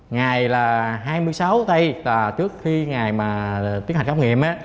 ngày là hai mươi sáu tây là trước khi ngày mà tiến hành khám nghiệm á